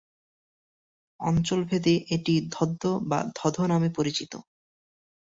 অঞ্চলভেদে এটি ধদ্দ্ বা ধধ্ নামেও পরিচিত।